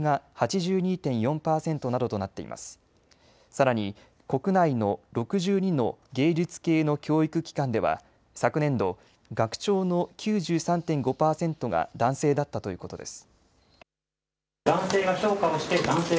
さらに国内の６２の芸術系の教育機関では昨年度、学長の９３．５％が男性だったということです。